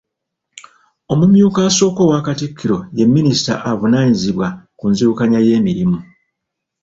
Omumyuka asooka owa Katikkiro ye minisita avunaanyizibwa ku nzirukanya y'emirimu.